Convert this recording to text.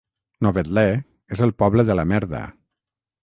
Novetlè és el poble de la merda.